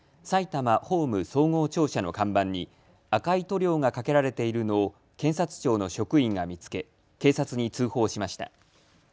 さいたま法務総合庁舎の看板に赤い塗料がかけられているのを検察庁の職員が見つけ警察に通報しました。